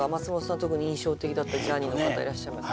特に印象的だったジャーニーの方いらっしゃいますか？